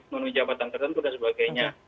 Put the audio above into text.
menuhi jabatan tertentu dan sebagainya